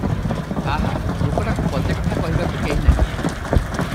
ଆହା! ଲୋକଟାକୁ ପଦେ କଥା କହିବାକୁ କେହି ନାହିଁ ।